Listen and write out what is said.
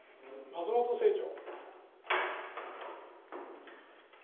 松本清張